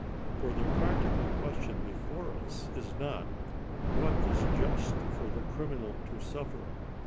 For the practical question before us is not, what is just for the cri minal to suffer?